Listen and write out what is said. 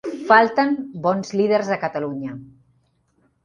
Falten bons líders a Catalunya.